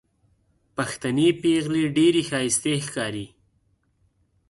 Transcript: پښتنې پېغلې ډېرې ښايستې ښکاري